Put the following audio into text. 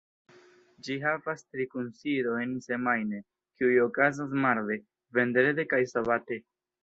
Ĝi havas tri kunsidojn semajne, kiuj okazas marde, vendrede kaj sabate.